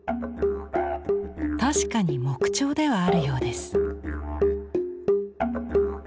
確かに木彫ではあるようです。